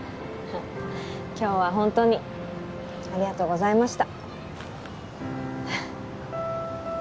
今日はホントにありがとうございました